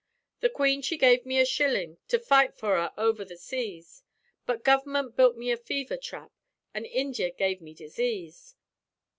The queen she gave me a shilling To fight for 'er over the seas; But guv'ment built me a fever trap, An' Injia gave me disease.